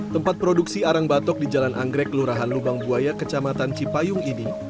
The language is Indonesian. tempat produksi arang batok di jalan anggrek kelurahan lubang buaya kecamatan cipayung ini